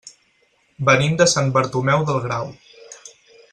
Venim de Sant Bartomeu del Grau.